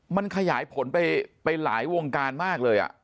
มันขยายผลไปหลายวงการมากเลย